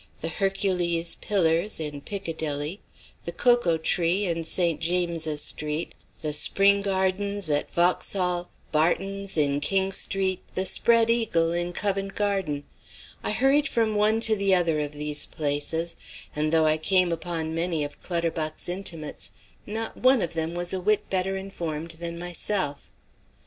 The "Hercules Pillars" in Piccadilly, the "Cocoa Tree" in St. James's Street, the "Spring Gardens" at Vauxhall, "Barton's" in King Street, the "Spread Eagle" in Covent Garden, I hurried from one to the other of these places, and though I came upon many of Clutterbuck's intimates, not one of them was a whit better informed than myself.